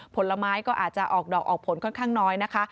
ผลไม้ก็อาจจะออกดอกออกผลค่อนข้างน้อยนะคะ